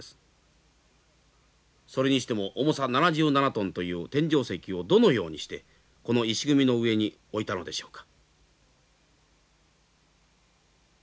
それにしても重さ７７トンという天井石をどのようにしてこの石組みの上に置いたのでしょうか。